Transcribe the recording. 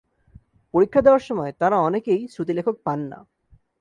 পরীক্ষা দেওয়ার সময় তাঁরা অনেকেই শ্রুতিলেখক পান না।